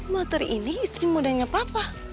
motor ini istri mudanya papa